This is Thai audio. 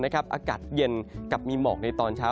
อากาศเย็นกับมีหมอกในตอนเช้า